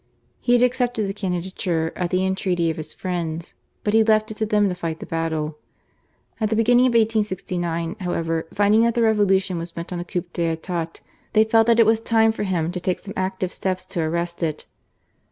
He had accepted the candidature at the entreaty of his friends, but he left it to them to fight the battle. At the beginning of 1869, however, finding that the Revolution was bent on a coup d'etat^ they felt that it was time for him to take some active steps to arrest it.